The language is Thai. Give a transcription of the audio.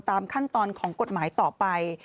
ตามขั้นตอนของกฎหมายต่อไป